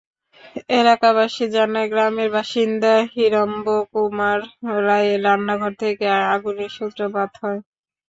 এলাকাবাসী জানায়, গ্রামের বাসিন্দা হিরম্ব কুমার রায়ের রান্নাঘর থেকে আগুনের সূত্রপাত হয়।